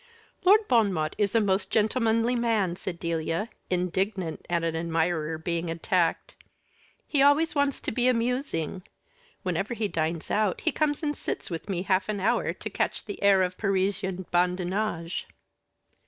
"Lord Bon Mot is a most gentlemanly man," said Delia, indignant at an admirer being attacked. "He always wants to be amusing. Whenever he dines out, he comes and sits with me half an hour to catch the air of Parisian badinage."